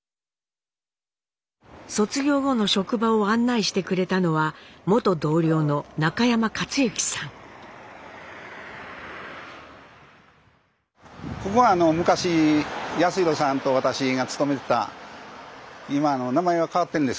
卒業後の職場を案内してくれたのはここはあの昔康宏さんと私が勤めてた今あの名前は変わってんですけどね。